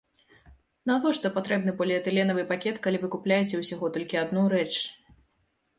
Навошта патрэбны поліэтыленавы пакет, калі вы купляеце ўсяго толькі адну рэч?